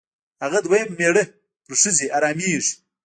هغه دویم مېړه پر ښځې حرامېږي.